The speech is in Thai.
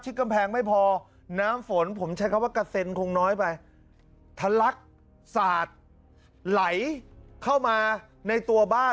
กำแพงไม่พอน้ำฝนผมใช้คำว่ากระเซ็นคงน้อยไปทะลักสาดไหลเข้ามาในตัวบ้าน